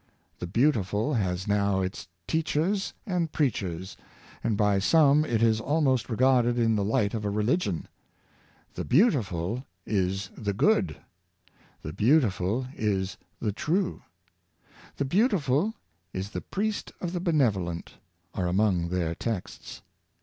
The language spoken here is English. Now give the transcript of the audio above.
The Beautiful has now its teachers and preachers, and by some it is almost regarded in the light of a religion. " The Beautiful is the Good "—" The Beautiful is the True "—" The Beautiful is the priest of the Benevolent, ' are among their texts.